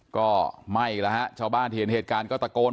ก็ไหม้แล้วฮะชาวบ้านที่เห็นเหตุการณ์ก็ตะโกน